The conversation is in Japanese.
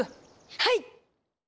はい！